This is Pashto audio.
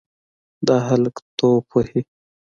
دا هلک توپ وهي.